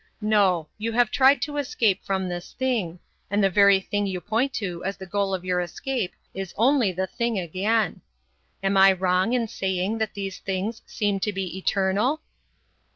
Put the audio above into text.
No; you have tried to escape from this thing, and the very thing you point to as the goal of your escape is only the thing again. Am I wrong in saying that these things seem to be eternal?"